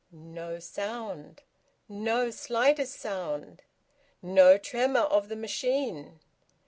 No sound! No slightest sound! No tremor of the machine!